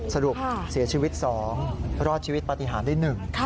สรุปเสียชีวิต๒รอดชีวิตปฏิหารได้๑